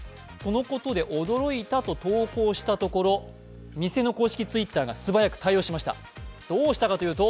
このことで驚いたと投稿したところ、店の公式Ｔｗｉｔｔｅｒが素早く対応しました。